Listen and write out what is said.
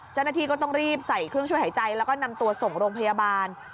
เจ้าหน้าที่ก็ต้องรีบใส่เครื่องช่วยหายใจแล้วก็นำตัวส่งโรงพยาบาล